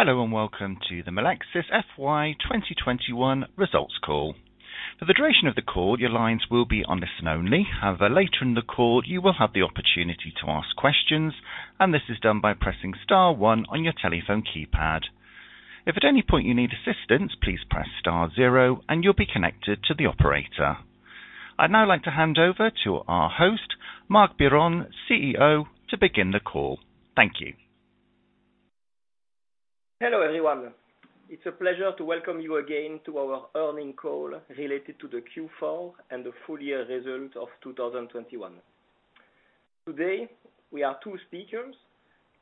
Hello and welcome to the Melexis FY 2021 results call. For the duration of the call, your lines will be on listen only. However, later in the call you will have the opportunity to ask questions, and this is done by pressing star one on your telephone keypad. If at any point you need assistance, please press star zero and you'll be connected to the operator. I'd now like to hand over to our host, Marc Biron, CEO, to begin the call. Thank you. Hello everyone. It's a pleasure to welcome you again to our earnings call related to the Q4 and the full year result of 2021. Today we are two speakers,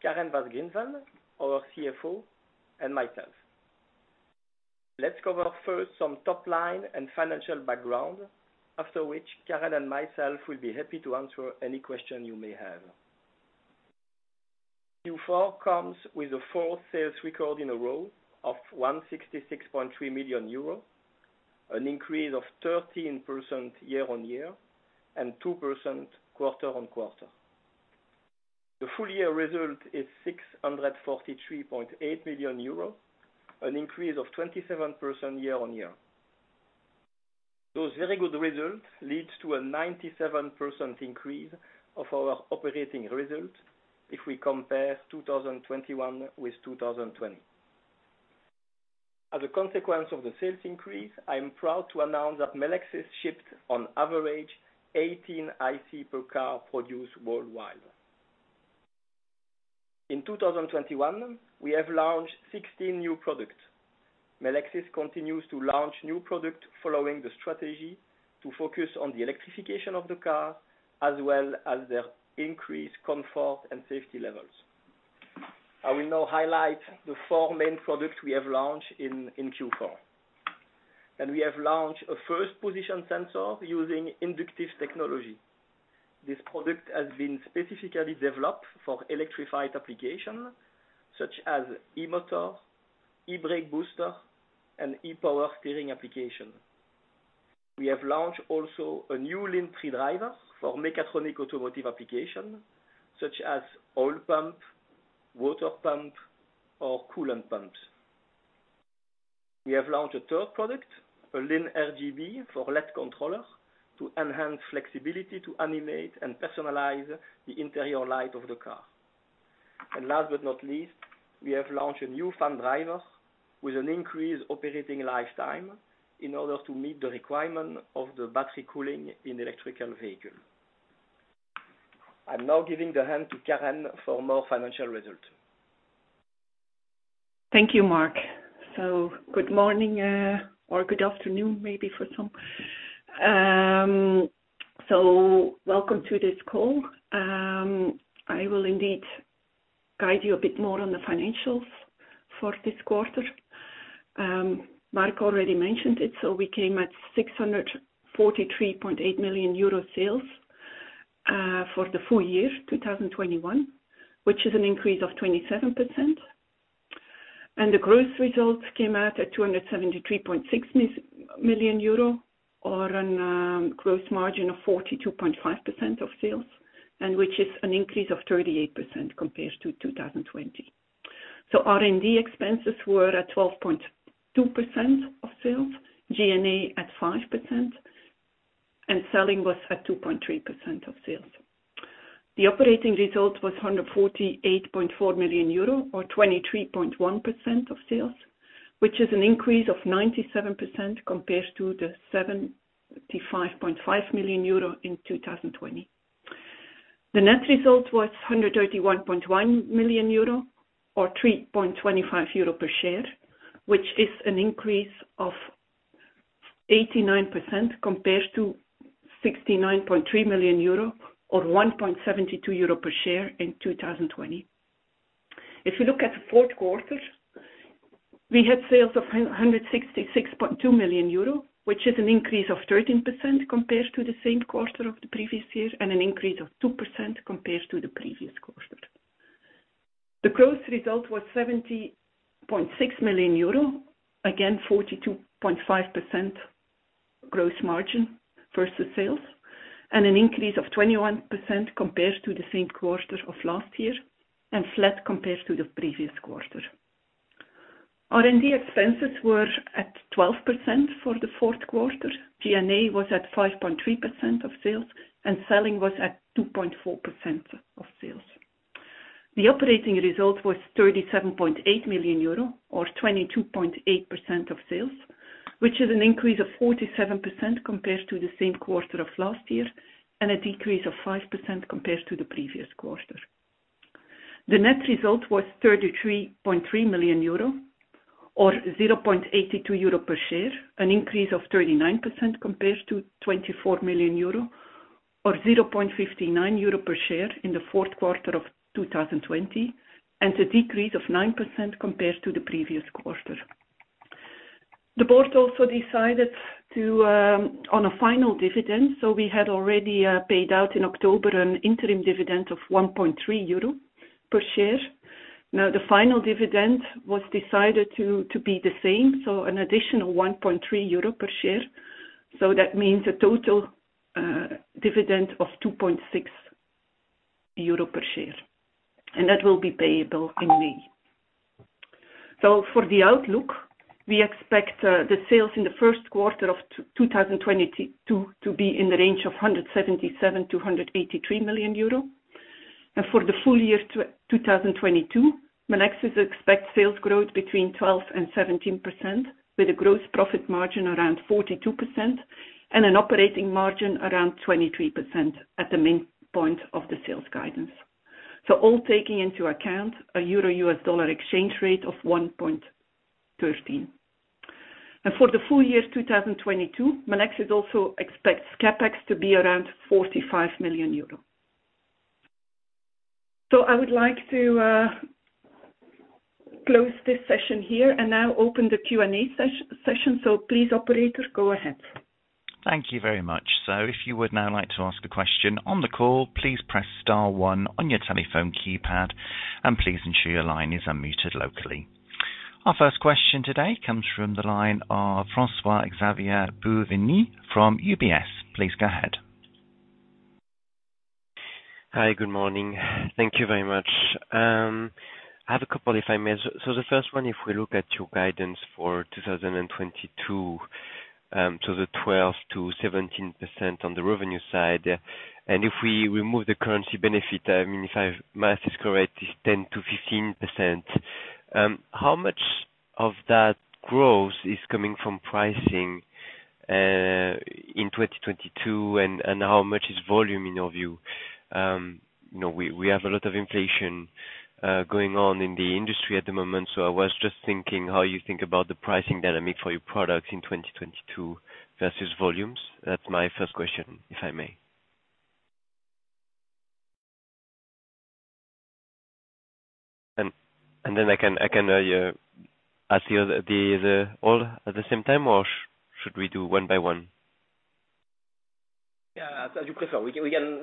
Karen Van Griensven, our CFO, and myself. Let's cover first some top line and financial background, after which Karen and myself will be happy to answer any question you may have. Q4 comes with a fourth sales record in a row of 166.3 million euros, an increase of 13% year-on-year and 2% quarter-on-quarter. The full year result is 643.8 million euros, an increase of 27% year-on-year. Those very good results leads to a 97% increase of our operating results if we compare 2021 with 2020. As a consequence of the sales increase, I am proud to announce that Melexis shipped on average 18 IC per car produced worldwide. In 2021, we have launched 16 new products. Melexis continues to launch new product following the strategy to focus on the electrification of the car as well as their increased comfort and safety levels. I will now highlight the four main products we have launched in Q4. We have launched a first position sensor using inductive technology. This product has been specifically developed for electrified application such as eMotor, E-Booster, and Electric Power Steering application. We have also launched a new LIN gate driver for mechatronic automotive application such as oil pump, water pump or coolant pumps. We have launched a third product, a LIN RGB LED controller to enhance flexibility to animate and personalize the interior light of the car. Last but not least, we have launched a new fan driver with an increased operating lifetime in order to meet the requirement of the battery cooling in electric vehicle. I'm now giving the hand to Karen for more financial result. Thank you, Marc. Good morning, or good afternoon maybe for some. Welcome to this call. I will indeed guide you a bit more on the financials for this quarter. Marc already mentioned it, so we came at 643.8 million euro sales for the full year 2021, which is an increase of 27%. The growth results came out at 273.6 million euro or a growth margin of 42.5% of sales, and which is an increase of 38% compared to 2020. R&D expenses were at 12.2% of sales, G&A at 5%, and selling was at 2.3% of sales. The operating result was 148.4 million euro or 23.1% of sales, which is an increase of 97% compared to the 75.5 million euro in 2020. The net result was 131.1 million euro or 3.25 euro per share, which is an increase of 89% compared to 69.3 million euro or 1.72 euro per share in 2020. If you look at the fourth quarter, we had sales of 166.2 million euro, which is an increase of 13% compared to the same quarter of the previous year and an increase of 2% compared to the previous quarter. The growth result was 70.6 million euro, again 42.5% growth margin versus sales, and an increase of 21% compared to the same quarter of last year, and flat compared to the previous quarter. R&D expenses were at 12% for the fourth quarter. G&A was at 5.3% of sales, and selling was at 2.4% of sales. The operating result was 37.8 million euro or 22.8% of sales, which is an increase of 47% compared to the same quarter of last year, and a decrease of 5% compared to the previous quarter. The net result was 33.3 million euro or 0.82 euro per share, an increase of 39% compared to 24 million euro or 0.59 euro per share in the fourth quarter of 2020, and a decrease of 9% compared to the previous quarter. The board also decided on a final dividend. We had already paid out in October an interim dividend of 1.3 euro per share. Now the final dividend was decided to be the same, so an additional 1.3 euro per share. That means a total dividend of 2.6 euro EUR per share, and that will be payable in May. For the outlook, we expect the sales in the first quarter of 2022 to be in the range of 177 million-183 million euro. For the full year 2022, Melexis expects sales growth between 12% and 17% with a gross profit margin around 42% and an operating margin around 23% at the main point of the sales guidance. All taking into account a EUR-USD exchange rate of 1.13. For the full year 2022, Melexis also expects CapEx to be around 45 million euros. I would like to close this session here and now open the Q&A session. Please, operator, go ahead. Thank you very much. If you would now like to ask a question on the call, please press star one on your telephone keypad and please ensure your line is unmuted locally. Our first question today comes from the line of Francois-Xavier Bouvignies from UBS. Please go ahead. Hi. Good morning. Thank you very much. I have a couple if I may. The first one, if we look at your guidance for 2022, the 12%-17% on the revenue side, and if we remove the currency benefit, I mean, if my math is correct, it's 10%-15%. How much of that growth is coming from pricing in 2022 and how much is volume in your view? You know, we have a lot of inflation going on in the industry at the moment, so I was just thinking how you think about the pricing dynamic for your products in 2022 versus volumes. That's my first question, if I may. I can ask you them all at the same time, or should we do one by one? Yeah. As you prefer. We can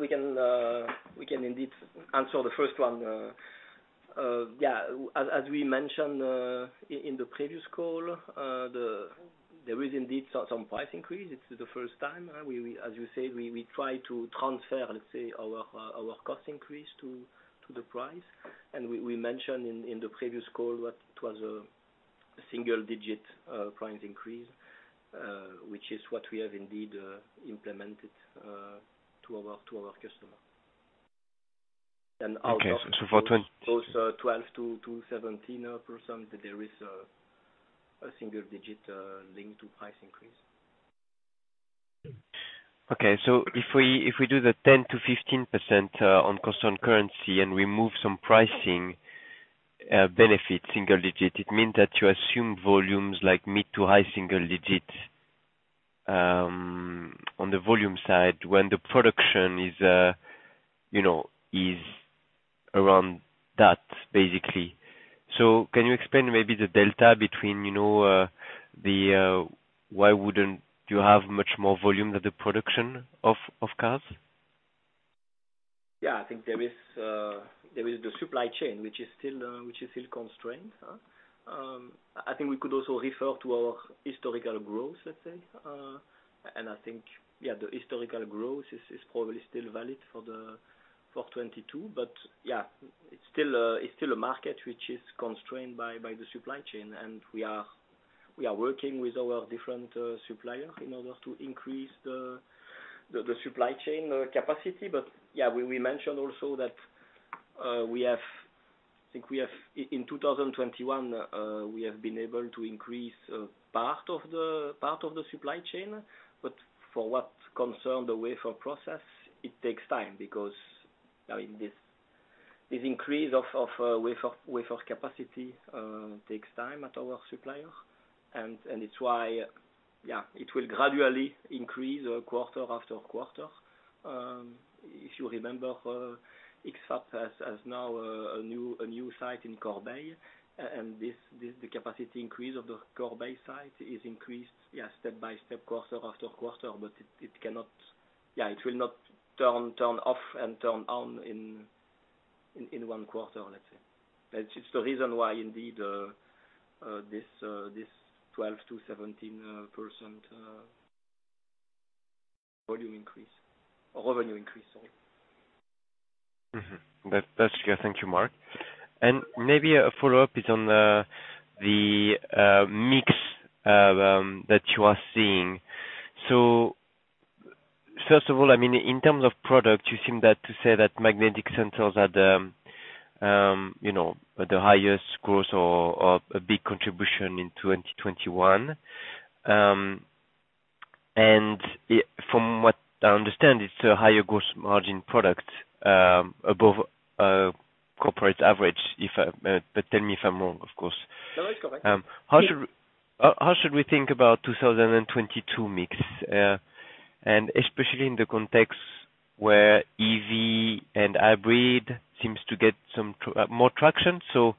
indeed answer the first one. Yeah. As we mentioned in the previous call, there is indeed some price increase. It's the first time, as you said, we try to transfer, let's say our cost increase to the price. We mentioned in the previous call that it was a single digit price increase, which is what we have indeed implemented to our customer. Okay. Out of those, 12%-17%, there is a single digit linked to price increase. Okay. If we do the 10%-15% on constant currency and remove some pricing benefit, single-digit, it means that you assume volumes like mid- to high-single-digit on the volume side when the production is, you know, around that basically. Can you explain maybe the delta between, you know, why wouldn't you have much more volume than the production of cars? Yeah, I think there is the supply chain which is still constrained. I think we could also refer to our historical growth, let's say. I think, yeah, the historical growth is probably still valid for 2022, but yeah, it's still a market which is constrained by the supply chain, and we are working with our different supplier in order to increase the supply chain capacity. Yeah, we mentioned also that we have. I think we have in 2021 we have been able to increase part of the supply chain, but for what concerns the wafer process, it takes time because this increase of wafer capacity takes time at our supplier. It's why it will gradually increase quarter after quarter. If you remember, IXYS has now a new site in Corbeil, and this the capacity increase of the Corbeil site is increased, yes, step by step, quarter after quarter, but it cannot. It will not turn off and turn on in one quarter, let's say. That's just the reason why indeed this 12%-17% volume increase or revenue increase, sorry. That's clear. Thank you, Marc. Maybe a follow-up is on the mix that you are seeing. First of all, I mean, in terms of product, you seem to say that magnetic sensors are the, you know, the highest growth or a big contribution in 2021. From what I understand, it's a higher gross margin product, above corporate average, but tell me if I'm wrong, of course. No, it's correct. How should we think about 2022 mix? Especially in the context where EV and hybrid seems to get some more traction, so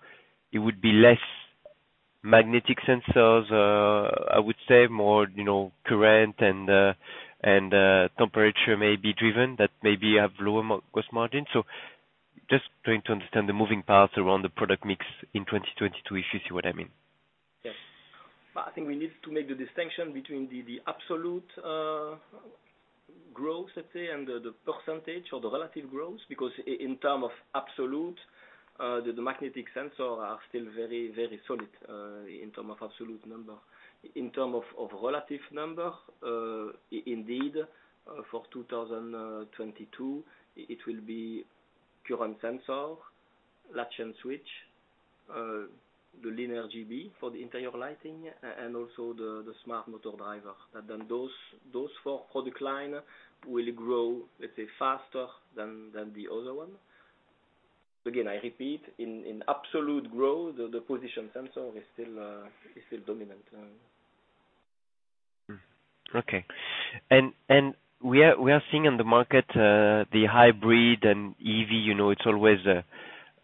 it would be less magnetic sensors, I would say more, you know, current and temperature maybe driven that maybe have lower gross margin. Just trying to understand the moving parts around the product mix in 2022, if you see what I mean. Yes. I think we need to make the distinction between the absolute growth, let's say, and the percentage or the relative growth. Because in terms of absolute, the magnetic sensors are still very solid in terms of absolute number. In terms of relative number, indeed, for 2022, it will be current sensor, latch and switch, the LIN RGB for the interior lighting, and also the smart motor driver. Then those four product lines will grow, let's say, faster than the other one. Again, I repeat, in absolute growth, the position sensor is still dominant. Okay. We are seeing in the market the hybrid and EV, you know, it's always a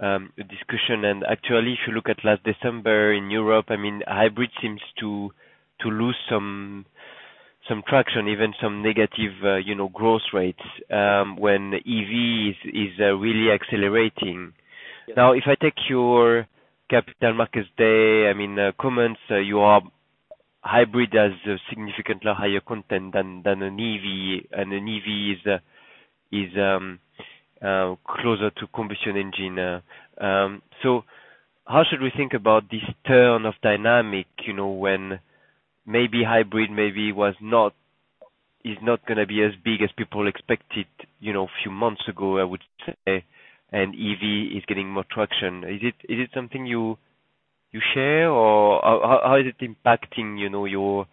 discussion. Actually, if you look at last December in Europe, I mean, hybrid seems to lose some traction, even some negative growth rates when EV is really accelerating. Yeah. Now, if I take your Capital Markets Day, I mean, comments, hybrids have a significantly higher content than an EV, and an EV is closer to combustion engine. So how should we think about this turn in dynamics, you know, when maybe hybrid is not gonna be as big as people expected, you know, a few months ago, I would say, and EV is getting more traction. Is it something you share, or how is it impacting, you know, your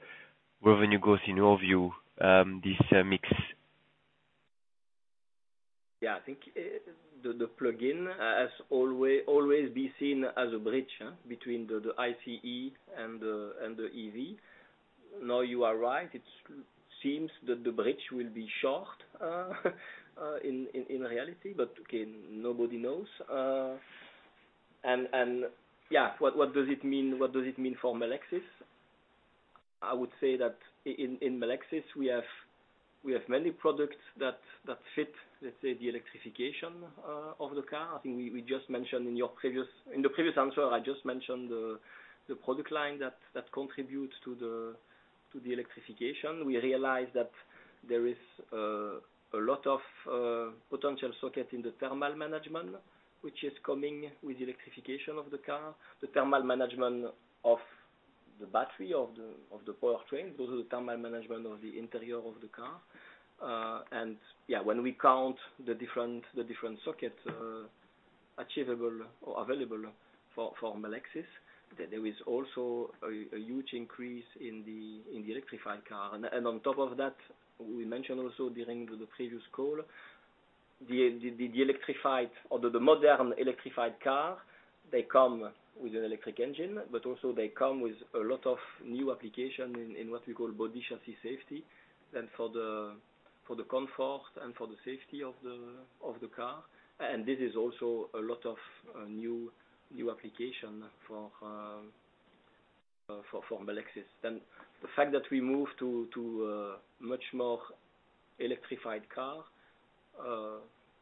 revenue growth in your view, this mix? I think the plug-in has always been seen as a bridge between the ICE and the EV. No, you are right. It seems that the bridge will be short in reality. Again, nobody knows. What does it mean for Melexis? I would say that in Melexis, we have many products that fit, let's say, the electrification of the car. I think we just mentioned in the previous answer, I just mentioned the product line that contributes to the electrification. We realize that there is a lot of potential socket in the thermal management, which is coming with electrification of the car. The thermal management of the battery of the powertrain, those are the thermal management of the interior of the car. When we count the different socket achievable or available for Melexis, there is also a huge increase in the electrified car. On top of that, we mentioned also during the previous call, the electrified or the modern electrified car, they come with an electric engine, but also they come with a lot of new application in what we call body chassis safety for the comfort and for the safety of the car. This is also a lot of new application for Melexis. The fact that we moved to a much more electrified car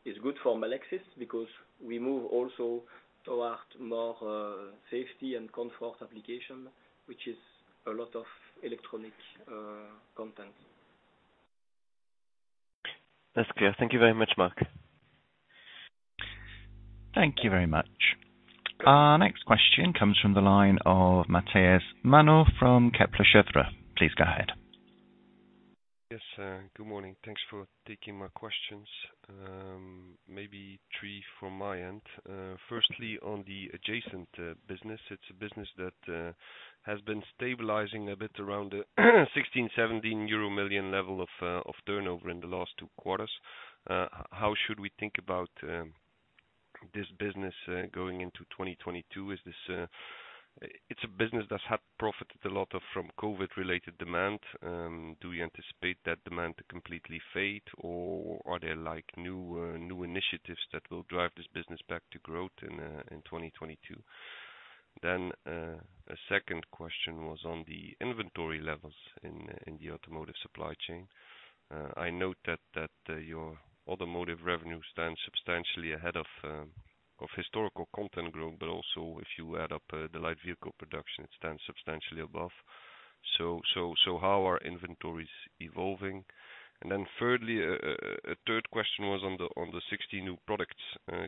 is good for Melexis because we move also toward more safety and comfort application, which is a lot of electronic content. That's clear. Thank you very much, Marc. Thank you very much. Our next question comes from the line of Matthias Maenhaut from Kepler Cheuvreux. Please go ahead. Yes, good morning. Thanks for taking my questions. Maybe three from my end. Firstly, on the adjacent business. It's a business that has been stabilizing a bit around the 16-17 million level of turnover in the last two quarters. How should we think about this business going into 2022? Is this, it's a business that had profited a lot from COVID-related demand. Do we anticipate that demand to completely fade, or are there like new initiatives that will drive this business back to growth in 2022? A second question was on the inventory levels in the automotive supply chain. I note that your automotive revenue stands substantially ahead of historical content growth, but also if you add up the light vehicle production, it stands substantially above. How are inventories evolving? Thirdly, a third question was on the 60 new products.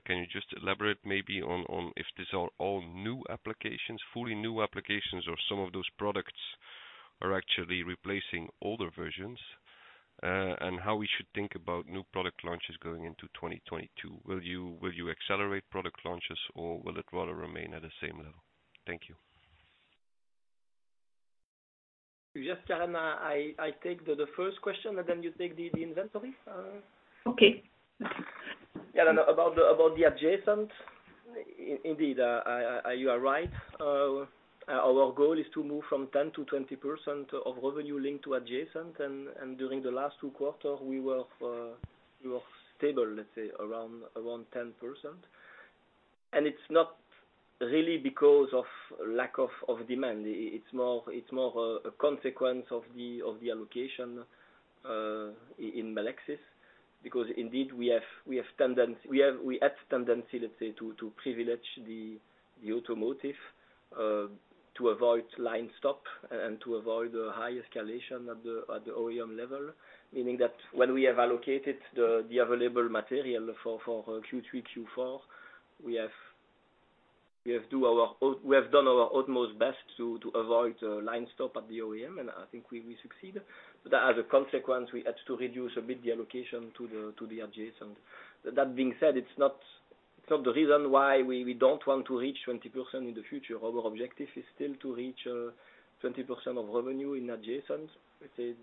Can you just elaborate maybe on if these are all new applications, fully new applications, or some of those products are actually replacing older versions? How we should think about new product launches going into 2022. Will you accelerate product launches, or will it rather remain at the same level? Thank you. Yes, Karen, I take the first question, and then you take the inventory. Okay. Karen, about the adjacent, indeed, you are right. Our goal is to move from 10% to 20% of revenue linked to adjacent. During the last two quarters, we were stable, let's say, around 10%. It's not really because of lack of demand. It's more of a consequence of the allocation in Melexis. Because indeed we had tendency, let's say, to privilege the automotive to avoid line stop and to avoid a high escalation at the OEM level. Meaning that when we have allocated the available material for Q3, Q4, we have done our utmost best to avoid line stop at the OEM, and I think we will succeed. As a consequence, we had to reduce a bit the allocation to the adjacent. That being said, it's not the reason why we don't want to reach 20% in the future. Our objective is still to reach 20% of revenue in adjacent. Let's say,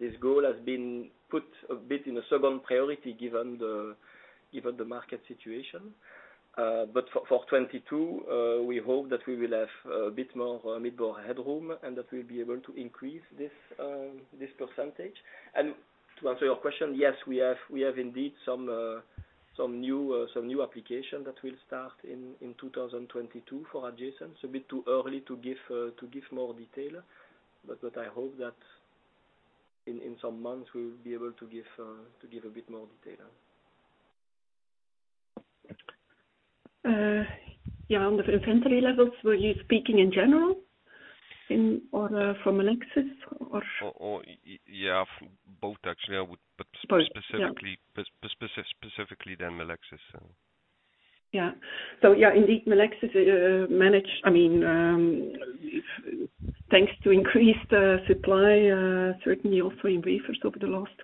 this goal has been put a bit in a second priority given the market situation. For 2022, we hope that we will have a bit more headroom, and that we'll be able to increase this percentage. To answer your question, yes, we have indeed some new application that will start in 2022 for adjacent. It's a bit too early to give more detail, but I hope that in some months we'll be able to give a bit more detail. Yeah, on the inventory levels, were you speaking in general in order for Melexis or? Yeah, for both actually. I would- Both. Yeah. Specifically then Melexis, so. Indeed, Melexis managed. I mean, thanks to increased supply, certainly also in wafers over the last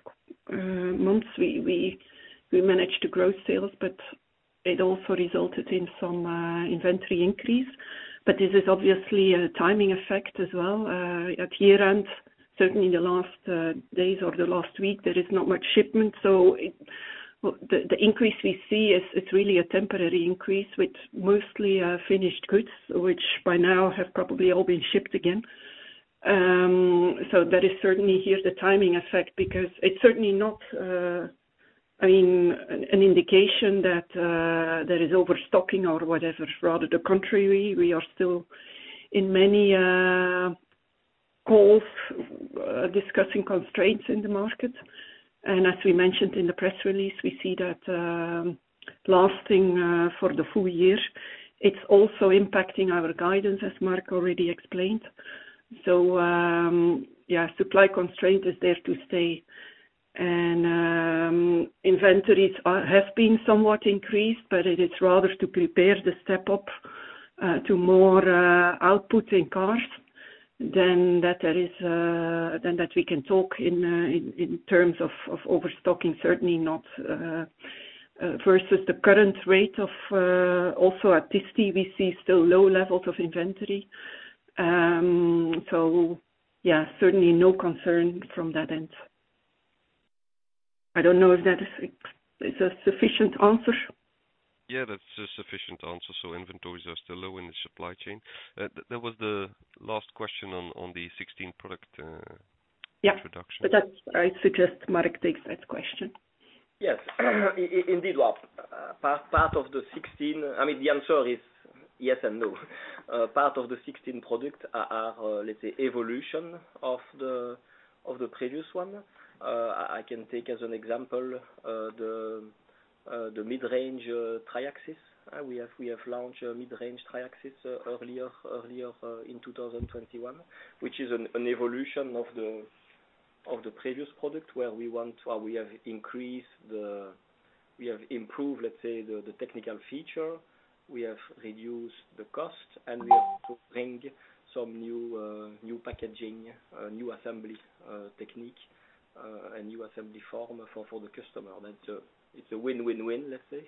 months, we managed to grow sales, but it also resulted in some inventory increase. This is obviously a timing effect as well. At year-end, certainly in the last days or the last week, there is not much shipment. The increase we see is really a temporary increase, which mostly are finished goods, which by now have probably all been shipped again. That is certainly here's the timing effect because it's certainly not, I mean, an indication that there is overstocking or whatever. It's rather the contrary. We are still in many calls discussing constraints in the market. As we mentioned in the press release, we see that lasting for the full year, it's also impacting our guidance, as Marc already explained. Yeah, supply constraint is there to stay. Inventories have been somewhat increased, but it is rather to prepare the step up to more output in cars than that there is than that we can talk in terms of overstocking, certainly not versus the current rate of also at this TBC, still low levels of inventory. Yeah, certainly no concern from that end. I don't know if that is a sufficient answer. Yeah, that's a sufficient answer. Inventories are still low in the supply chain. That was the last question on the 16 product. Yeah. Introduction. I suggest Marc takes that question. Yes. Indeed, Lap. I mean, the answer is yes and no. Part of the 16 products are, let's say, evolution of the previous one. I can take as an example the mid-range Triaxis. We have launched a mid-range Triaxis earlier in 2021, which is an evolution of the previous product, where we have improved, let's say, the technical feature. We have reduced the cost, and we have to bring some new packaging, new assembly technique, a new assembly form for the customer. That's a win-win-win, let's say.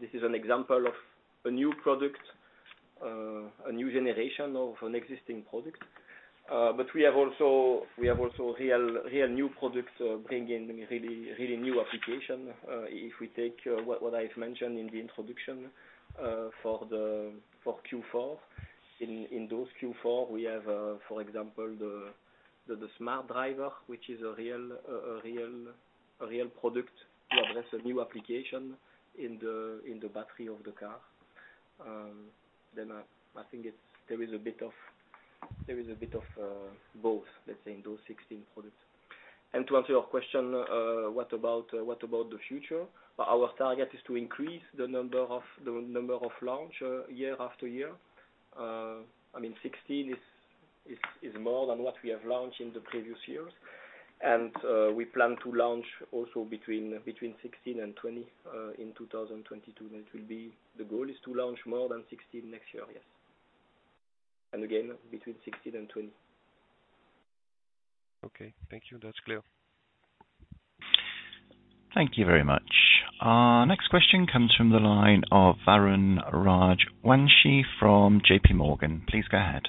This is an example of a new product, a new generation of an existing product. We have also real new products bringing really new application. If we take what I've mentioned in the introduction for Q4. In those Q4, we have for example the smart driver, which is a real product to address a new application in the battery of the car. Then I think it's. There is a bit of both, let's say, in those 16 products. To answer your question, what about the future? Our target is to increase the number of launch year after year. I mean, 16 is more than what we have launched in the previous years. We plan to launch also between 16 and 20 in 2022. That will be the goal is to launch more than 16 next year. Yes. Again, between 16 and 20. Okay. Thank you. That's clear. Thank you very much. Our next question comes from the line of Varun Rajwanshi from JPMorgan. Please go ahead.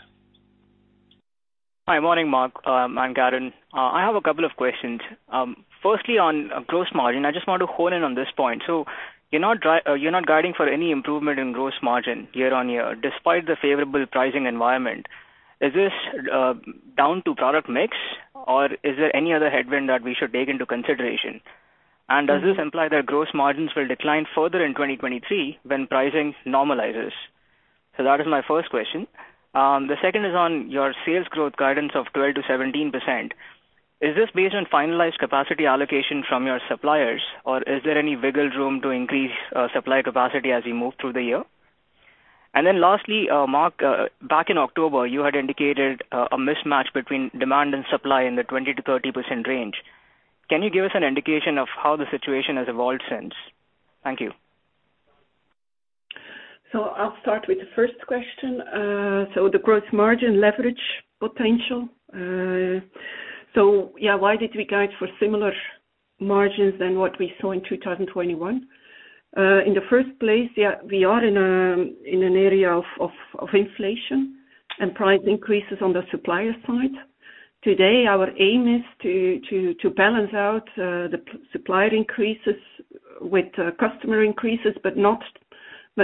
Hi. Morning, Marc. I'm Varun. I have a couple of questions. Firstly, on gross margin. I just want to hone in on this point. You're not guiding for any improvement in gross margin year-over-year, despite the favorable pricing environment. Is this down to product mix, or is there any other headwind that we should take into consideration? And does this imply that gross margins will decline further in 2023 when pricing normalizes? That is my first question. The second is on your sales growth guidance of 12%-17%. Is this based on finalized capacity allocation from your suppliers, or is there any wiggle room to increase supply capacity as you move through the year? Lastly, Marc, back in October, you had indicated a mismatch between demand and supply in the 20%-30% range. Can you give us an indication of how the situation has evolved since? Thank you. I'll start with the first question. The gross margin leverage potential. Why did we guide for similar margins to what we saw in 2021? In the first place, we are in an area of inflation and price increases on the supplier side. Today, our aim is to balance out the supplier increases with customer increases, but not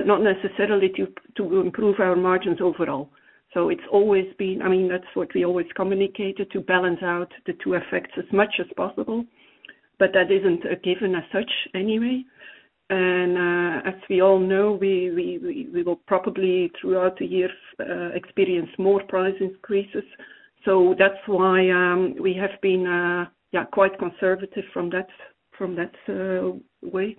necessarily to improve our margins overall. It's always been I mean, that's what we always communicated, to balance out the two effects as much as possible. That isn't a given as such anyway. As we all know, we will probably throughout the year experience more price increases. That's why we have been quite conservative from that way.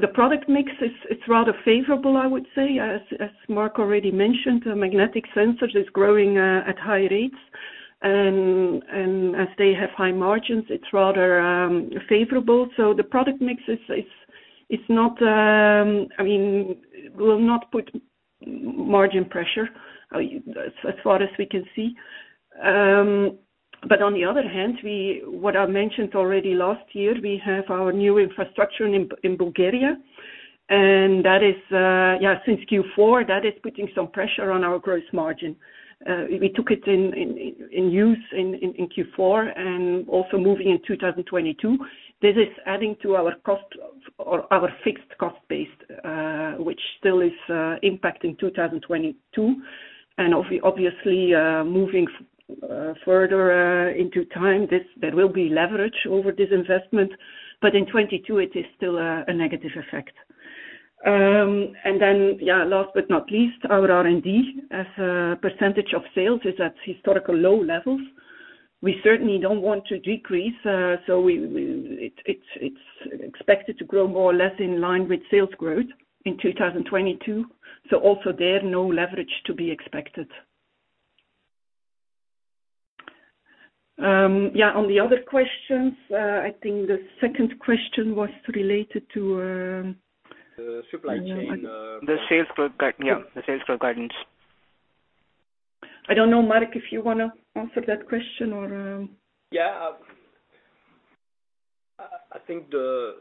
The product mix is, it's rather favorable, I would say, as Marc already mentioned, the magnetic sensors is growing at high rates. As they have high margins, it's rather favorable. The product mix is not, I mean, will not put margin pressure as far as we can see. On the other hand, what I mentioned already last year, we have our new infrastructure in Bulgaria, and that is since Q4 that is putting some pressure on our gross margin. We took it in use in Q4 and also moving in 2022. This is adding to our cost or our fixed cost base, which still is impacting 2022. Obviously, moving further into time, there will be leverage over this investment. In 2022, it is still a negative effect. Last but not least, our R&D as a percentage of sales is at historical low levels. We certainly don't want to decrease, so we... It's expected to grow more or less in line with sales growth in 2022. Also there, no leverage to be expected. On the other questions, I think the second question was related to The supply chain. The sales grow, yeah, the sales growth guidance. I don't know, Marc, if you wanna answer that question or. Yeah. I think the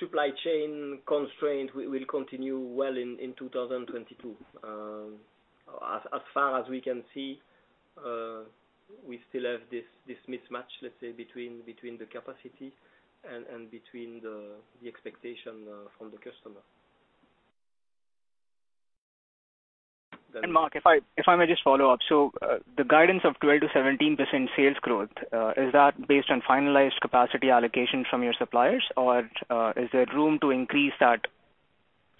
supply chain constraint will continue well into 2022. As far as we can see, we still have this mismatch, let's say, between the capacity and the expectation from the customer. Marc, if I may just follow up. Is the guidance of 12%-17% sales growth based on finalized capacity allocation from your suppliers, or is there room to increase that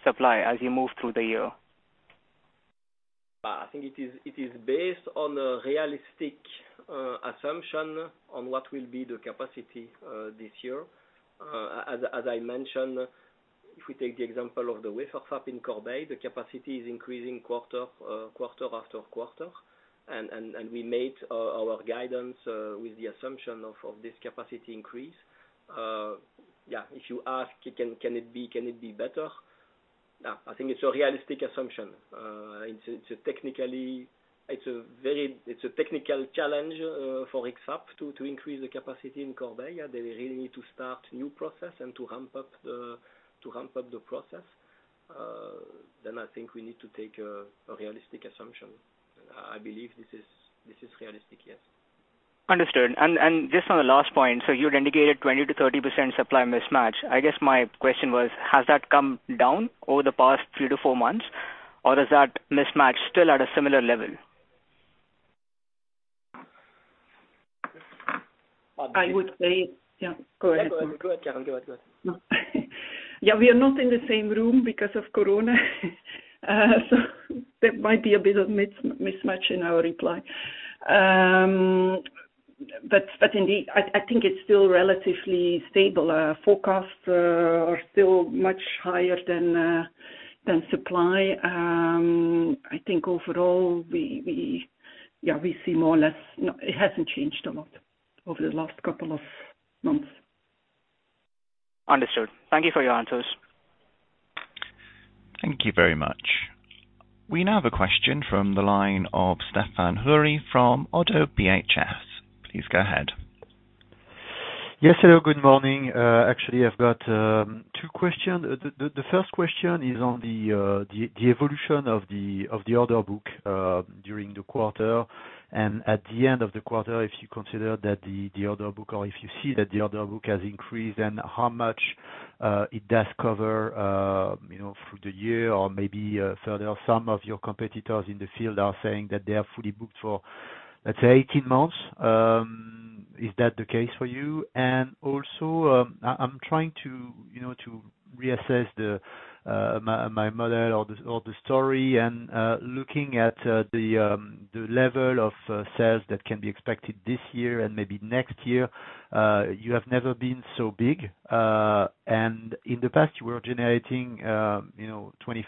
supply as you move through the year? I think it is based on a realistic assumption on what will be the capacity this year. As I mentioned, if we take the example of the wafer fab in Corbeil, the capacity is increasing quarter after quarter. We made our guidance with the assumption of this capacity increase. Yeah, if you ask, can it be better? Yeah, I think it's a realistic assumption. It's a technical challenge for X-Fab to increase the capacity in Corbeil. They really need to start new process and to ramp up the process. Then I think we need to take a realistic assumption. I believe this is realistic, yes. Understood. Just on the last point, so you had indicated 20%-30% supply mismatch. I guess my question was, has that come down over the past three-four months, or is that mismatch still at a similar level? Yeah, go ahead. Go ahead, Karen Van Griensven. Yeah, we are not in the same room because of Corona, so there might be a bit of mismatch in our reply. But indeed, I think it's still relatively stable. Forecasts are still much higher than supply. I think overall, yeah, we see more or less. No, it hasn't changed a lot over the last couple of months. Understood. Thank you for your answers. Thank you very much. We now have a question from the line of Sandeep Deshpande from Oddo BHF. Please go ahead. Yes, hello, good morning. Actually, I've got two questions. The first question is on the evolution of the order book during the quarter, and at the end of the quarter, if you consider that the order book or if you see that the order book has increased, and how much it does cover, you know, through the year or maybe further. Some of your competitors in the field are saying that they are fully booked for, let's say, 18 months. Is that the case for you? Also, I'm trying to, you know, to reassess my model or the story and looking at the level of sales that can be expected this year and maybe next year, you have never been so big. In the past, you were generating, you know, 25%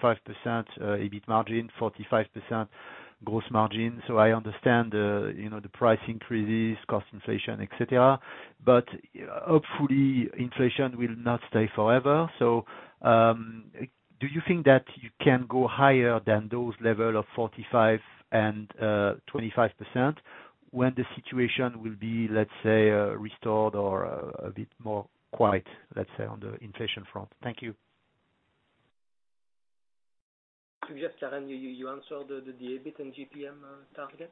EBIT margin, 45% gross margin. I understand the, you know, the price increases, cost inflation, et cetera. Hopefully inflation will not stay forever. Do you think that you can go higher than those levels of 45% and 25% when the situation will be, let's say, restored or a bit more quiet, let's say, on the inflation front? Thank you. Karen, you answered the EBIT and GPM target?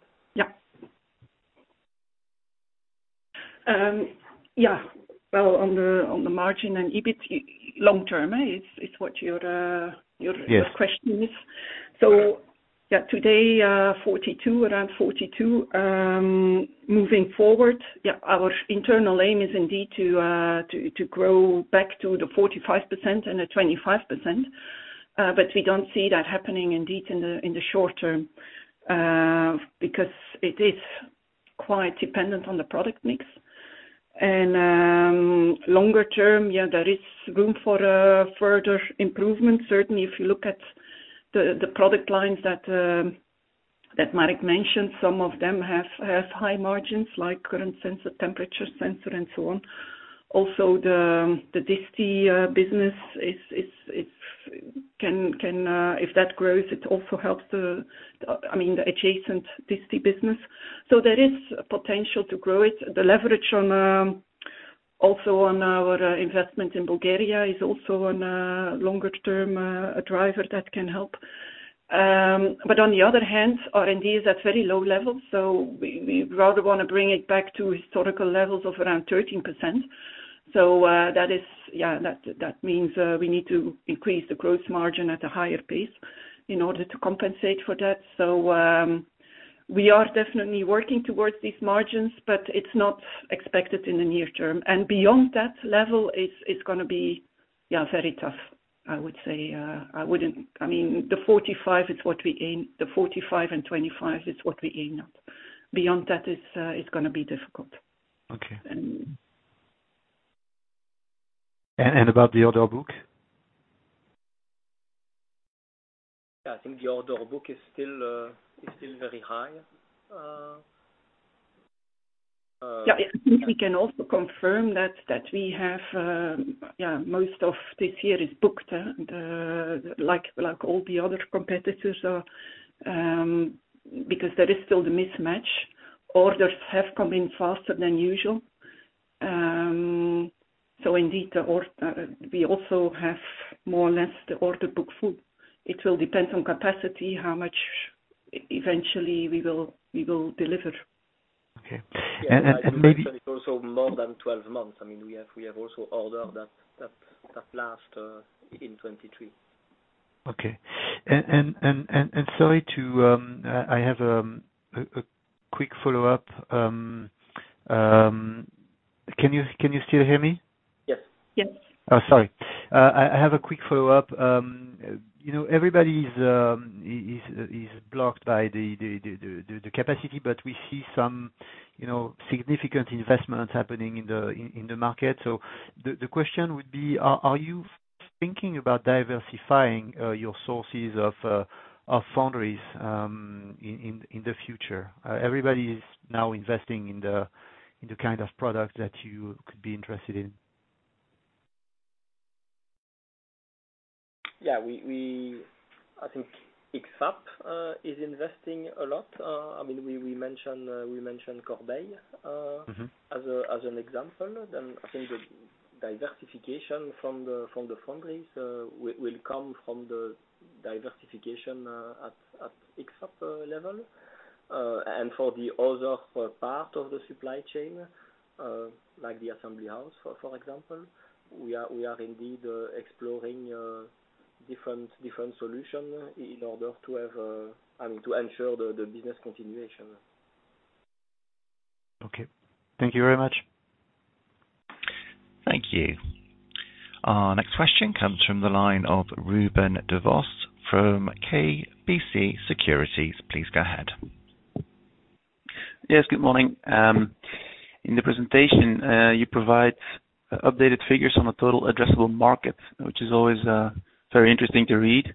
Yeah. Well, on the margin and EBIT long term, it's what your- Yes. Today, 42, around 42. Moving forward, our internal aim is indeed to grow back to the 45% and the 25%. But we don't see that happening indeed in the short term, because it is quite dependent on the product mix. Longer term, there is room for further improvement. Certainly, if you look at the product lines that Marc mentioned, some of them have high margins, like current sensor, temperature sensor and so on. Also, the disti business, it can if that grows, it also helps the, I mean, the adjacent disti business. There is potential to grow it. The leverage also on our investment in Bulgaria is also a longer-term driver that can help. On the other hand, R&D is at very low levels, so we rather wanna bring it back to historical levels of around 13%. That is, yeah, that means we need to increase the gross margin at a higher pace in order to compensate for that. We are definitely working towards these margins, but it's not expected in the near term. Beyond that level it's gonna be, yeah, very tough, I would say. I mean, the 45% is what we aim. The 45% and 25% is what we aim at. Beyond that, it's gonna be difficult. Okay. Um. about the order book? I think the order book is still very high. Yeah. I think we can also confirm that we have, yeah, most of this year is booked, like all the other competitors are, because there is still the mismatch. Orders have come in faster than usual. Indeed, we also have more or less the order book full. It will depend on capacity, how much eventually we will deliver. Okay. Maybe Also more than 12 months. I mean, we have also orders that last in 2023. Okay. Sorry, I have a quick follow-up. Can you still hear me? Yes. Yes. Oh, sorry. I have a quick follow-up. You know, everybody is blocked by the capacity, but we see some, you know, significant investments happening in the market. The question would be, are you thinking about diversifying your sources of foundries in the future? Everybody is now investing in the kind of product that you could be interested in. Yeah. I think X-Fab is investing a lot. I mean, we mentioned Corbeil. Mm-hmm. As an example. I think the diversification from the foundries will come from the diversification at X-Fab level. For the other part of the supply chain, like the assembly house, for example, we are indeed exploring different solution in order to have, I mean, to ensure the business continuation. Okay. Thank you very much. Thank you. Our next question comes from the line of Ruben Devos from KBC Securities. Please go ahead. Yes, good morning. In the presentation, you provide updated figures on the total addressable market, which is always very interesting to read.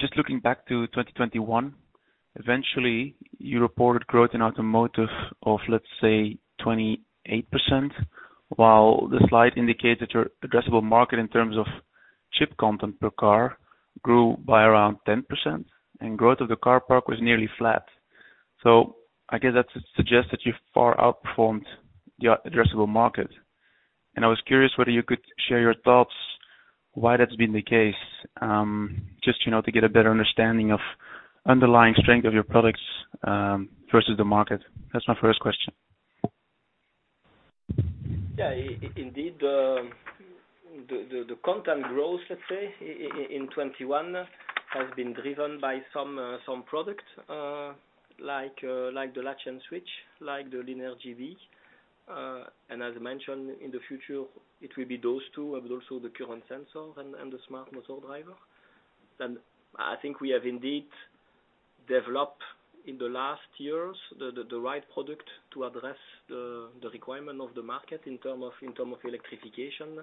Just looking back to 2021, eventually you reported growth in automotive of, let's say, 28%, while the slide indicates that your addressable market in terms of chip content per car grew by around 10%, and growth of the car park was nearly flat. I guess that suggests that you've far outperformed your addressable market. I was curious whether you could share your thoughts why that's been the case. Just, you know, to get a better understanding of underlying strength of your products, versus the market. That's my first question. Yeah, indeed, the content growth, let's say, in 2021 has been driven by some products, like the latch & switch, like the LIN RGB. As mentioned, in the future, it will be those two, but also the current sensor and the smart motor driver. I think we have indeed developed in the last years the right product to address the requirement of the market in terms of electrification.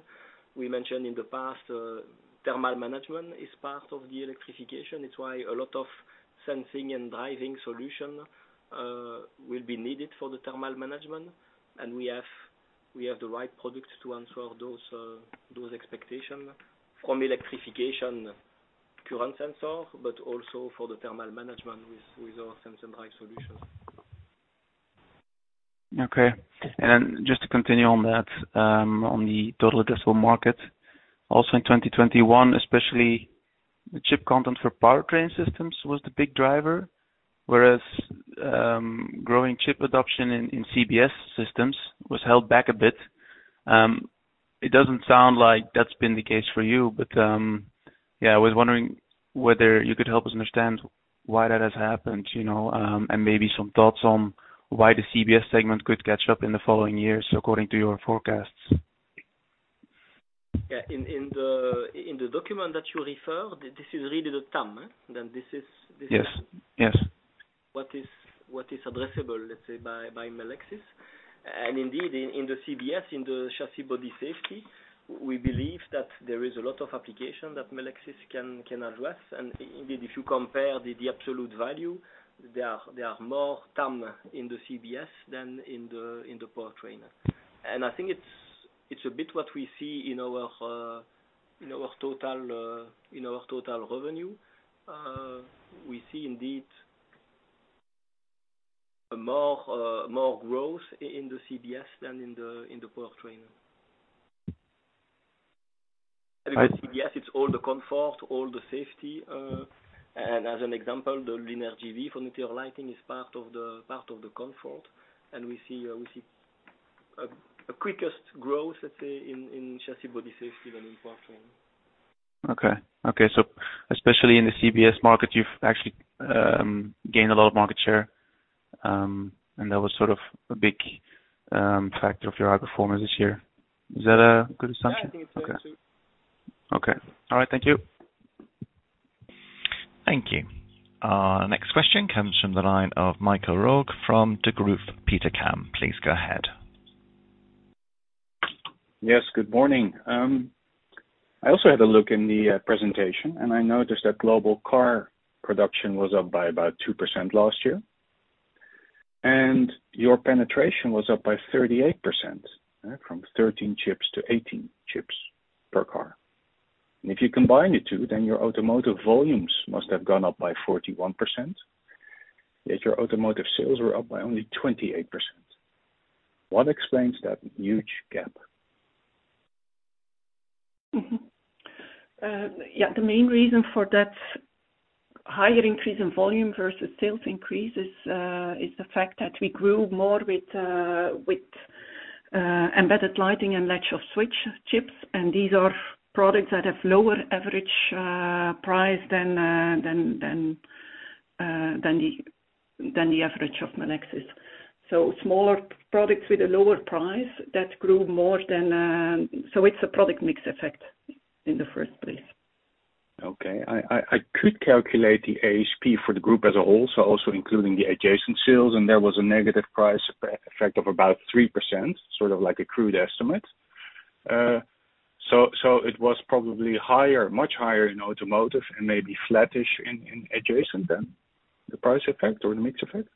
We mentioned in the past, thermal management is part of the electrification. It's why a lot of sensing and driving solution will be needed for the thermal management. We have the right products to answer those expectations from electrification current sensor, but also for the thermal management with our sense and drive solutions. Okay. Just to continue on that, on the total addressable market, also in 2021, especially the chip content for powertrain systems was the big driver, whereas, growing chip adoption in CBS systems was held back a bit. It doesn't sound like that's been the case for you, but, yeah, I was wondering whether you could help us understand why that has happened, you know, and maybe some thoughts on why the CBS segment could catch up in the following years according to your forecasts. Yeah. In the document that you refer, this is really the TAM. This is Yes. Yes ...what is addressable, let's say, by Melexis. Indeed, in the CBS, in the Chassis and Body, we believe that there is a lot of application that Melexis can address. Indeed, if you compare the absolute value, there are more TAM in the CBS than in the powertrain. I think it's a bit what we see in our total revenue. We see indeed more growth in the CBS than in the powertrain. I- With CBS, it's all the comfort, all the safety. As an example, the LIN RGB for interior lighting is part of the comfort. We see quickest growth, let's say, in Chassis and Body than in powertrain. Especially in the CBS market, you've actually gained a lot of market share, and that was sort of a big factor of your high performance this year. Is that a good assumption? Yeah, I think so too. Okay. All right. Thank you. Thank you. Our next question comes from the line of Michael Roeg from Degroof Petercam. Please go ahead. Yes, good morning. I also had a look in the presentation, and I noticed that global car production was up by about 2% last year, and your penetration was up by 38%, from 13 chips to 18 chips per car. If you combine the two, then your automotive volumes must have gone up by 41%, yet your automotive sales were up by only 28%. What explains that huge gap? Yeah. The main reason for that higher increase in volume versus sales increase is the fact that we grew more with embedded lighting and latch and switch chips. These are products that have lower average price than the average of Melexis. Smaller products with a lower price that grew more than the average. It's a product mix effect in the first place. Okay. I could calculate the ASP for the group as a whole, so also including the adjacent sales, and there was a negative price effect of about 3%, sort of like a crude estimate. So it was probably higher, much higher in automotive and maybe flattish in adjacent then, the price effect or the mix effect?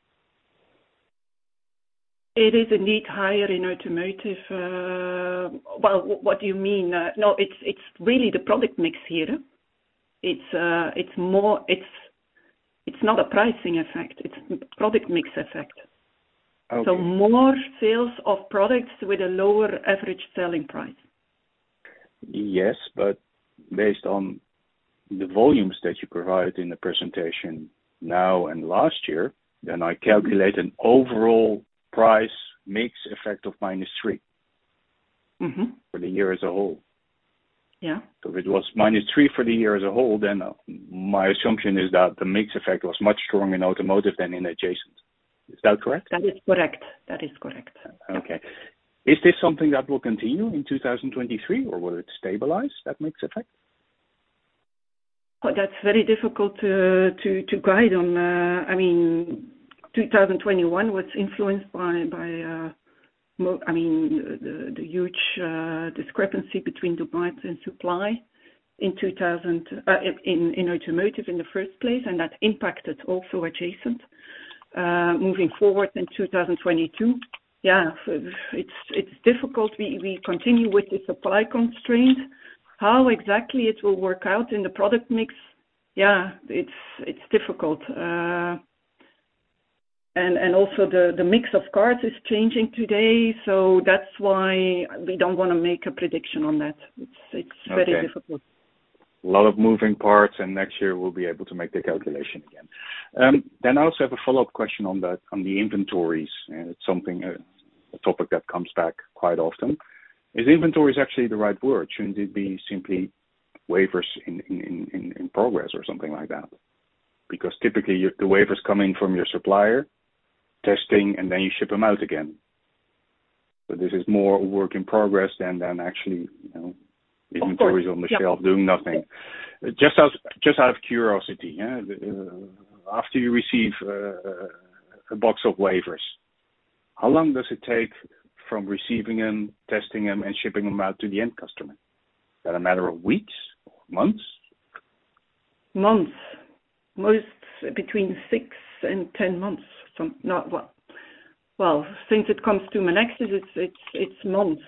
It is indeed higher in automotive. Well, what do you mean? No, it's really the product mix here. It's more. It's not a pricing effect. It's product mix effect. Okay. more sales of products with a lower average selling price. Yes, based on the volumes that you provided in the presentation now and last year, I calculate an overall price mix effect of -3x Mm-hmm. For the year as a whole. Yeah. If it was -3% for the year as a whole, then my assumption is that the mix effect was much stronger in automotive than in adjacent. Is that correct? That is correct. Yeah. Okay. Is this something that will continue in 2023, or will it stabilize, that mix effect? That's very difficult to guide on. I mean, 2021 was influenced by the huge discrepancy between demand and supply in 2021, in automotive in the first place, and that impacted also adjacent moving forward in 2022. It's difficult. We continue with the supply constraint. How exactly it will work out in the product mix? It's difficult. And also the mix of cars is changing today, so that's why we don't wanna make a prediction on that. It's very difficult. A lot of moving parts, and next year we'll be able to make the calculation again. I also have a follow-up question on that, on the inventories, and it's something, a topic that comes back quite often. Is inventories actually the right word? Shouldn't it be simply wafers in progress or something like that? Because typically your, the wafer's coming from your supplier, testing, and then you ship them out again. So this is more work in progress than actually, you know- Of course. Yep.... inventories on the shelf doing nothing. Just out of curiosity, yeah. After you receive a box of wafers, how long does it take from receiving and westing them and shipping them out to the end customer? Is that a matter of weeks or months? Months. Most between 6 and 10 months. Well, when it comes to Melexis, it's months.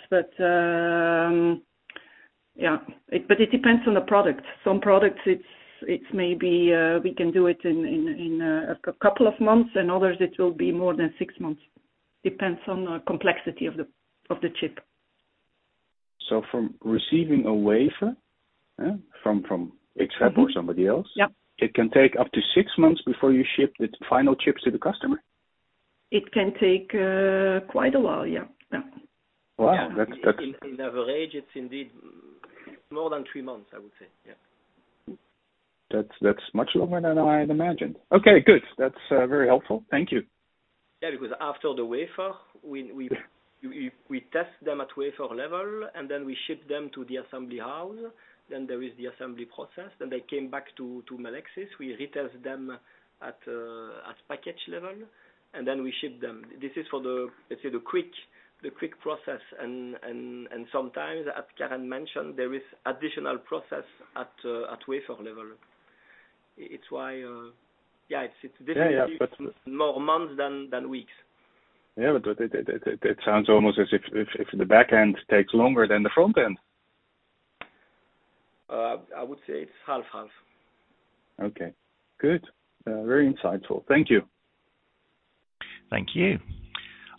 Yeah. It depends on the product. Some products it's maybe we can do it in a couple of months and others it will be more than 6 months. Depends on the complexity of the chip. From receiving a waiver from X-Fab. Mm-hmm or somebody else. Yep it can take up to six months before you ship its final chips to the customer? It can take quite a while, yeah. Yeah. Wow, that's. Yeah. On average, it's indeed more than three months, I would say. Yeah. That's much longer than I had imagined. Okay, good. That's very helpful. Thank you. Yeah, because after the wafer, we Yeah We test them at wafer level, and then we ship them to the assembly hall. Then there is the assembly process, then they came back to Melexis. We retest them at package level, and then we ship them. This is for the, let's say, the quick process and sometimes, as Karen mentioned, there is additional process at wafer level. It's why it's definitely- Yeah. more months than weeks. Yeah, it sounds almost as if the back end takes longer than the front end. I would say it's 50/50. Okay, good. Very insightful. Thank you. Thank you.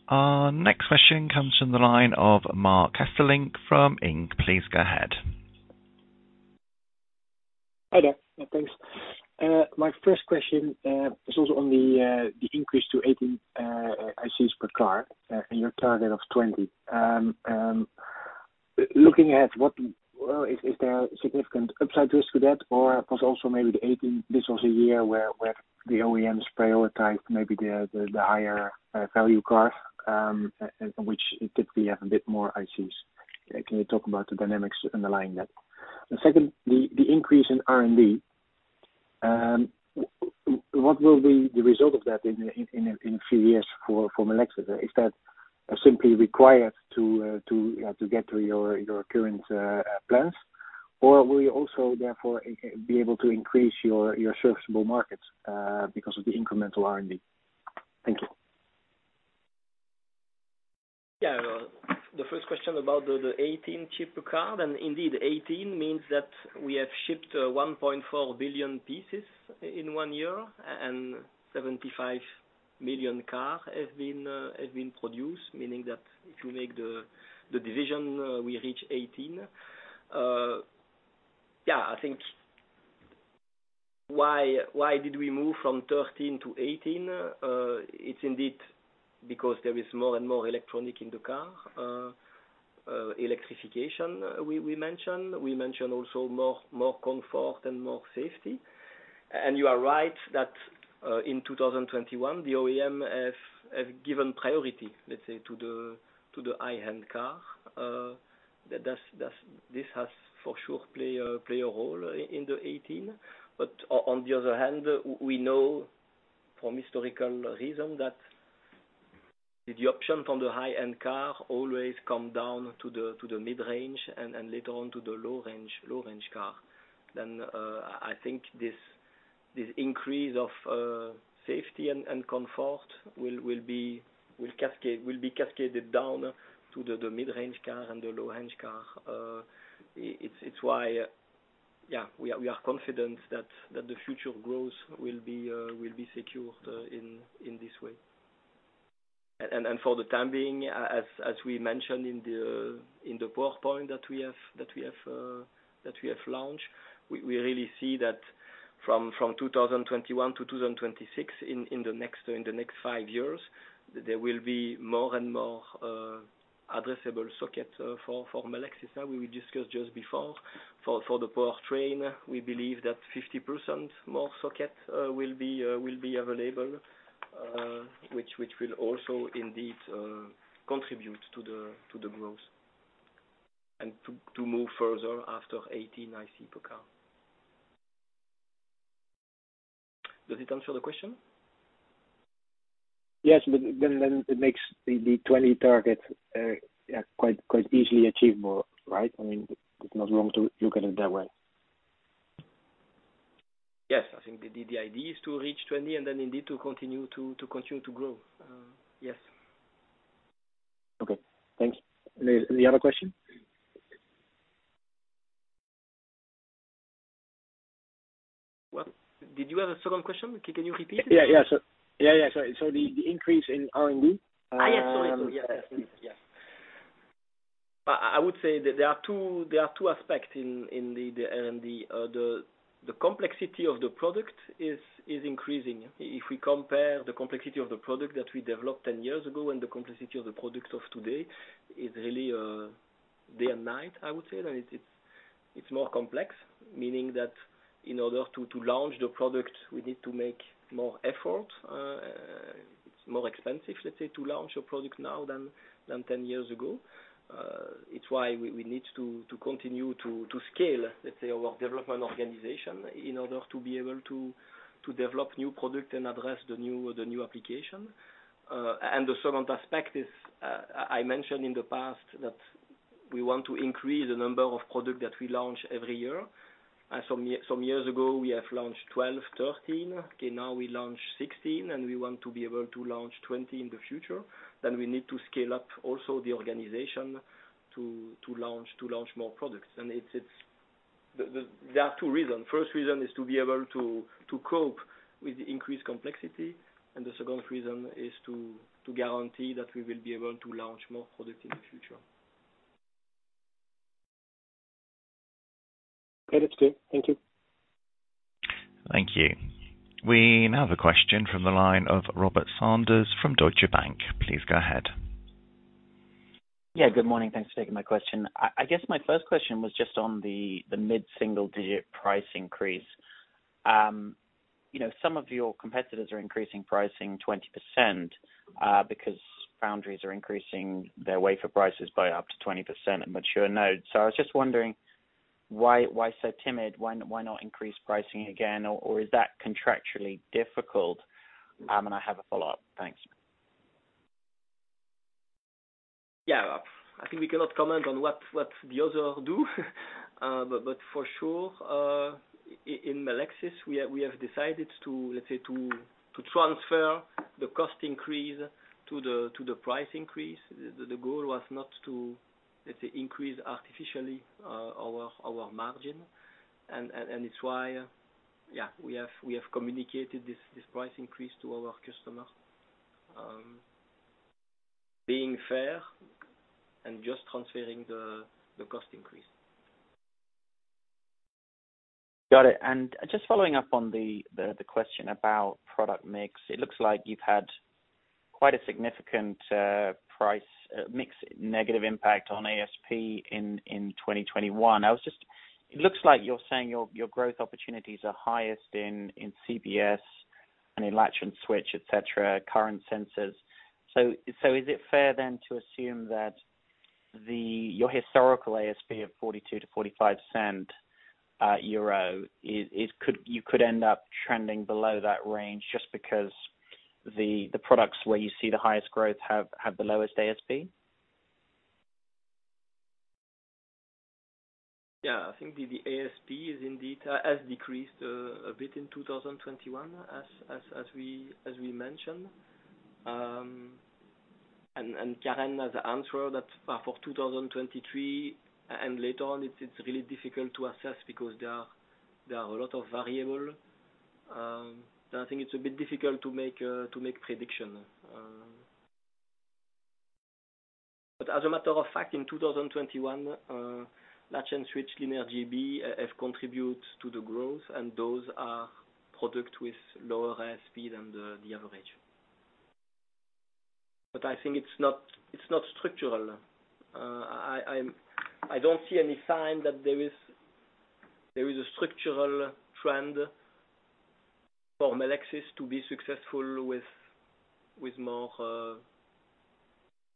Our next question comes from the line of Marc Hesselink from ING. Please go ahead. Hi there. Yeah, thanks. My first question is also on the increase to 18 ICs per car and your target of 20. Is there significant upside risk to that? Or, plus also maybe the 18, this was a year where the OEMs prioritized maybe the higher value car which typically have a bit more ICs. Can you talk about the dynamics underlying that? Second, the increase in R&D, what will be the result of that in a few years for Melexis? Is that simply required to get to your current plans? Or will you also therefore be able to increase your serviceable markets because of the incremental R&D? Thank you. The first question about the 18 chips per car, and indeed 18 means that we have shipped 1.4 billion pieces in one year, and 75 million cars have been produced. Meaning that if you make the division, we reach 18. I think why did we move from 13 to 18? It's indeed because there is more and more electronics in the car. Electrification, we mentioned. We mentioned also more comfort and more safety. You are right that in 2021, the OEM have given priority, let's say, to the high-end car. This has for sure played a role in the 18. On the other hand, we know from historical reason that the option from the high-end car always come down to the mid-range and later on to the low range car. I think this increase of safety and comfort will be cascaded down to the mid-range car and the low-range car. It's why we are confident that the future growth will be secured in this way. For the time being, as we mentioned in the PowerPoint that we have launched, we really see that from 2021 to 2026, in the next five years, there will be more and more addressable socket for Melexis that we discussed just before. For the powertrain, we believe that 50% more socket will be available, which will also indeed contribute to the growth and to move further after 18 IC per car. Does it answer the question? Yes. It makes the 20 target quite easily achievable, right? I mean, it's not wrong to look at it that way. Yes. I think the idea is to reach 20 and then indeed to continue to grow. Yes. Okay, thank you. Any other question? What? Did you have a second question? Can you repeat it? The increase in R&D. I would say that there are two aspects in the R&D. The complexity of the product is increasing. If we compare the complexity of the product that we developed ten years ago and the complexity of the products of today is really day and night, I would say. It's more complex, meaning that in order to launch the product, we need to make more effort. It's more expensive, let's say, to launch a product now than ten years ago. It's why we need to continue to scale, let's say, our development organization in order to be able to develop new product and address the new application. The second aspect is, I mentioned in the past that we want to increase the number of products that we launch every year. Some years ago, we have launched 12, 13, okay, now we launch 16, and we want to be able to launch 20 in the future. We need to scale up also the organization to launch more products. It's there are two reasons. First reason is to be able to cope with the increased complexity, and the second reason is to guarantee that we will be able to launch more product in the future. Okay. That's clear. Thank you. Thank you. We now have a question from the line of Robert Sanders from Deutsche Bank. Please go ahead. Yeah, good morning. Thanks for taking my question. I guess my first question was just on the mid-single digit price increase. You know, some of your competitors are increasing pricing 20%, because foundries are increasing their wafer prices by up to 20% at mature nodes. I was just wondering why so timid? Why not increase pricing again? Or is that contractually difficult? I have a follow-up. Thanks. I think we cannot comment on what the others do. But for sure, in Melexis, we have decided to, let's say, transfer the cost increase to the price increase. The goal was not to, let's say, increase artificially our margin. It's why we have communicated this price increase to our customer, being fair and just transferring the cost increase. Got it. Just following up on the question about product mix. It looks like you've had quite a significant price mix negative impact on ASP in 2021. It looks like you're saying your growth opportunities are highest in CBS and in latch & switch, etc., current sensors. Is it fair then to assume that your historical ASP of 42-45 cents EUR could end up trending below that range just because the products where you see the highest growth have the lowest ASP? Yeah. I think the ASP is indeed has decreased a bit in 2021 as we mentioned. Karen has answered that for 2023, and later on, it's really difficult to assess because there are a lot of variable. I think it's a bit difficult to make prediction. But as a matter of fact, in 2021, latch and switch LIN RGB have contribute to the growth, and those are product with lower ASP than the average. But I think it's not structural. I don't see any sign that there is a structural trend for Melexis to be successful with more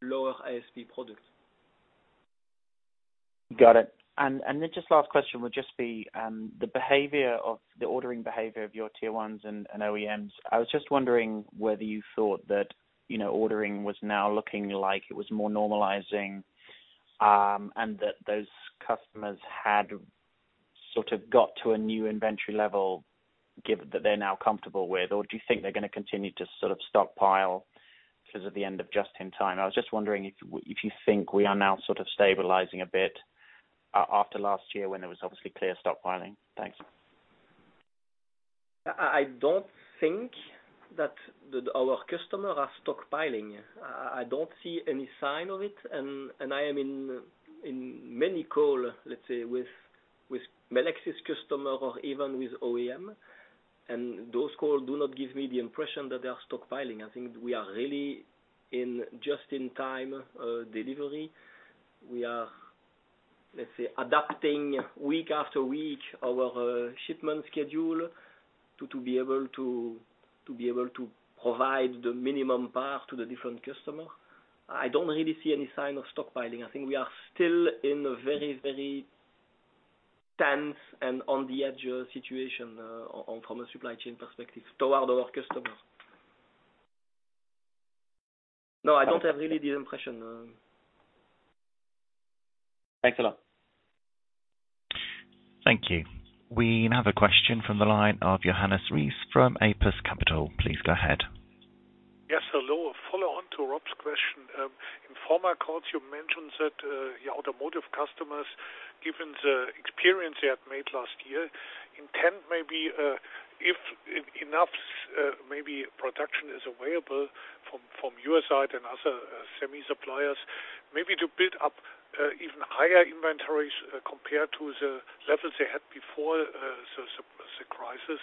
lower ASP products. Got it. Just last question would just be the ordering behavior of your tier ones and OEMs. I was just wondering whether you thought that, you know, ordering was now looking like it was more normalizing, and that those customers had sort of got to a new inventory level given that they're now comfortable with. Or do you think they're gonna continue to sort of stockpile because of the end of just in time? I was just wondering if you think we are now sort of stabilizing a bit after last year when there was obviously clear stockpiling. Thanks. I don't think that our customers are stockpiling. I don't see any sign of it, and I am in many calls, let's say, with Melexis customers or even with OEMs, and those calls do not give me the impression that they are stockpiling. I think we are really in just in time delivery. We are, let's say, adapting week after week our shipment schedule to be able to provide the minimum parts to the different customers. I don't really see any sign of stockpiling. I think we are still in a very tense and on the edge situation from a supply chain perspective toward our customers. No, I don't really have the impression. Thanks a lot. Thank you. We now have a question from the line of Johannes Ries from Apus Capital. Please go ahead. A follow-on to Rob's question. In former calls you mentioned that your automotive customers, given the experience they had made last year, intend maybe if enough maybe production is available from your side and other semi suppliers, maybe to build up even higher inventories compared to the levels they had before the crisis.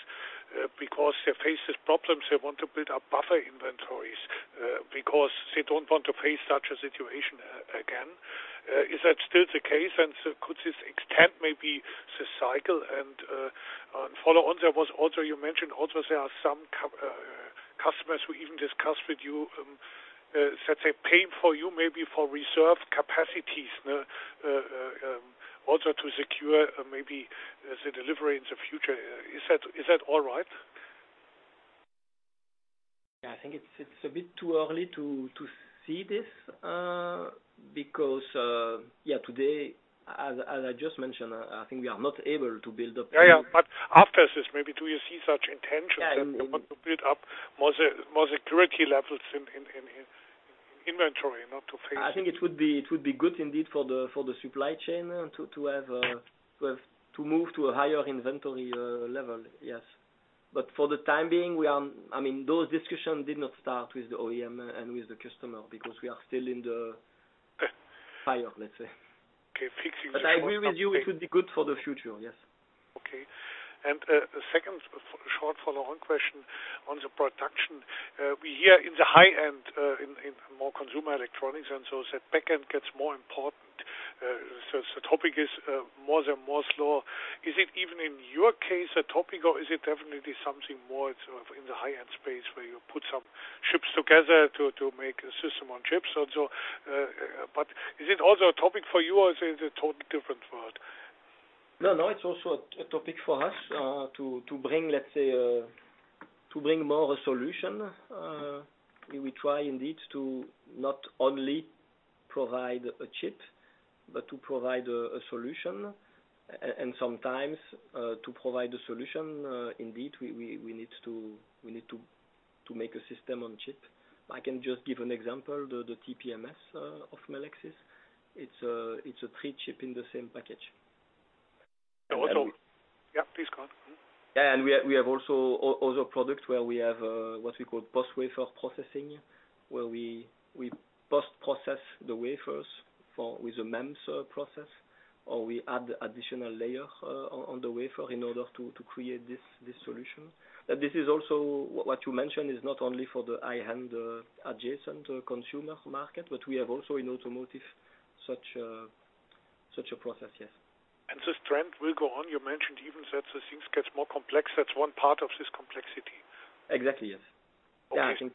Because they face these problems, they want to build up buffer inventories because they don't want to face such a situation again. Is that still the case? Could this extend maybe this cycle? And follow-on, you also mentioned there are some customers who even discussed with you, let's say, paying you maybe for reserved capacities. Also to secure maybe the delivery in the future. Is that all right? Yeah, I think it's a bit too early to see this, because, yeah, today as I just mentioned, I think we are not able to build up- Yeah. After this, maybe do you see such intentions? Yeah. that you want to build up more security levels in inventory not to face- I think it would be good indeed for the supply chain to have to move to a higher inventory level. Yes. For the time being, I mean, those discussions did not start with the OEM and with the customer because we are still in the fire, let's say. Okay. Fixing this or something. I agree with you, it would be good for the future. Yes. Okay. Second short follow-on question on the production. We hear in the high-end, in more consumer electronics, so the back end gets more important. So the topic is more and more so. Is it even in your case a topic, or is it definitely something more sort of in the high-end space where you put some chips together to make a System on Chip? Is it also a topic for you, or is it a totally different world? No, no, it's also a topic for us to bring, let's say, to bring more solution. We try indeed to not only provide a chip, but to provide a solution. Sometimes to provide a solution, indeed, we need to make a System on Chip. I can just give an example, the TPMS of Melexis. It's a three-chip in the same package. Yeah. Yeah, please go on. Yeah. We have also other products where we have what we call post-wafer processing, where we post-process the wafers with the MEMS process, or we add additional layer on the wafer in order to create this solution. This is also what you mentioned is not only for the high-end adjacent consumer market, but we have also in automotive such a process, yes. This trend will go on. You mentioned even that the things gets more complex. That's one part of this complexity. Exactly, yes. Okay. Yeah, I think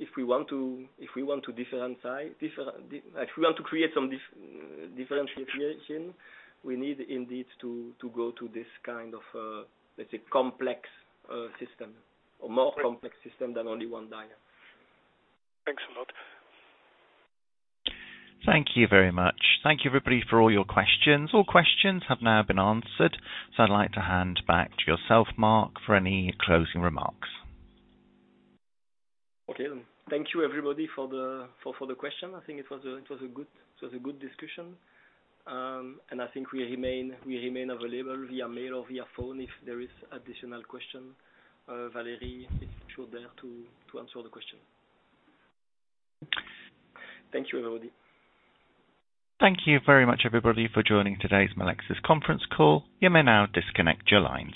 if we want to create some differentiation, we need indeed to go to this kind of, let's say, complex system or more complex system than only one die. Thanks a lot. Thank you very much. Thank you everybody for all your questions. All questions have now been answered, so I'd like to hand back to you, Marc, for any closing remarks. Okay. Thank you everybody for the question. I think it was a good discussion. I think we remain available via mail or via phone if there is additional question. Valerie is there to answer the question. Thank you, everybody. Thank you very much everybody, for joining today's Melexis conference call. You may now disconnect your lines.